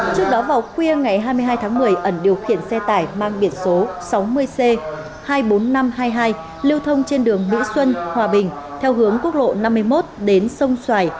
trước đó vào khuya ngày hai mươi hai tháng một mươi ẩn điều khiển xe tải mang biển số sáu mươi c hai mươi bốn nghìn năm trăm hai mươi hai lưu thông trên đường mỹ xuân hòa bình theo hướng quốc lộ năm mươi một đến sông xoài